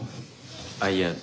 あっいや